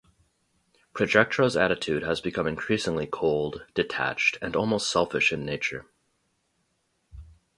Projectra's attitude has become increasingly cold, detached, and almost selfish in nature.